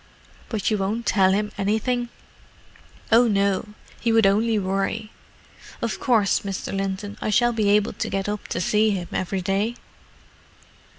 "But you won't tell him anything?" "Oh, no: he would only worry. Of course, Mr. Linton, I shall be able to get up to see him every day?"